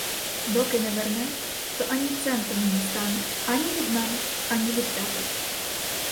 Доки не верне, то ані цента не дістане ані від мене, ані від тебе!